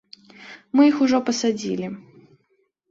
Мы іх ужо пасадзілі.